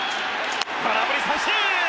空振り三振！